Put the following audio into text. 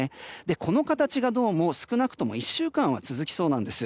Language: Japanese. この形がどうも少なくとも１週間は続きそうなんです。